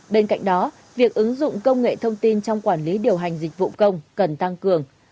bên cạnh đó việc ứng dụng công nghệ thông tin trong quản lý điều hành dịch vụ công cần tăng cường